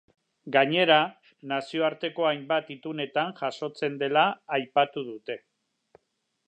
Gainera, nazioarteko hainbat itunetan jasotzen dela aipatu dute.